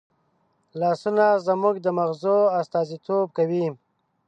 لاسونه زموږ د مغزو استازیتوب کوي